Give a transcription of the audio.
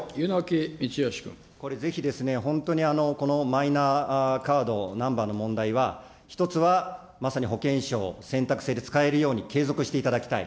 これ、ぜひですね、本当にマイナカード、ナンバーの問題は、１つはまさに保険証、選択制で使えるように、継続していただきたい。